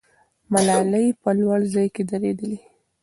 ملالۍ په لوړ ځای کې درېدلې.